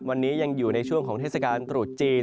วันนี้ยังอยู่ในช่วงของเทศกาลตรุษจีน